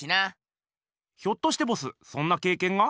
ひょっとしてボスそんなけいけんが？